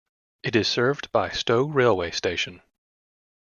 It is served by Stow railway station.